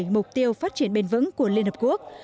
một mươi bảy mục tiêu phát triển bền vững của liên hợp quốc